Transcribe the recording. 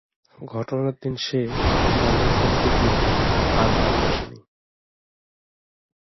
ঘটনার দিন সে বাইরে খেলতে গিয়ে আর বাড়ি আসেনি।